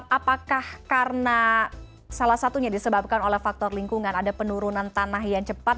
apakah karena salah satunya disebabkan oleh faktor lingkungan ada penurunan tanah yang cepat